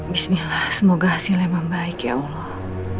bismillah semoga hasilnya membaik ya allah